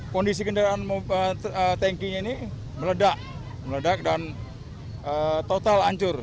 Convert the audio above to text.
kondisi kendaraan tangkinya ini meledak dan total hancur